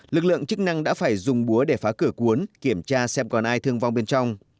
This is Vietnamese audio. lực lượng chức năng đã phải dùng búa để phá cửa cuốn kiểm tra xem còn ai thương vong bên trong